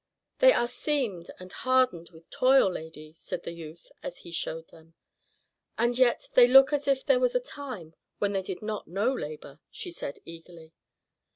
"They are seamed and hardened with toil, lady," said the youth, as he showed them. "And yet they look as if there was a time when they did not know labor," said she, eagerly.